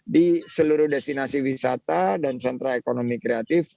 di seluruh destinasi wisata dan sentra ekonomi kreatif